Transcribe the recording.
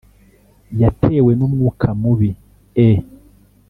yatewe n umwuka mubi e